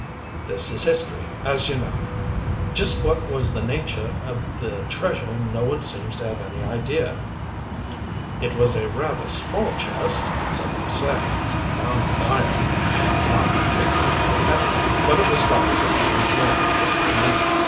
This is history, as you know. Just what was the nature of the treasure no one seems to have any idea. It was a rather small chest, so they say, bound with iron, and not particularly heavy but it was guarded with armed men, day and night.